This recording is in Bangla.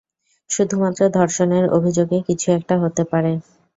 শুধুমাত্র ধর্ষণের অভিযোগে কিছু একটা হতে পারে।